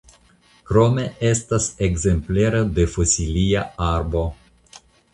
Krome estas ekzemplero de fosilia arbo.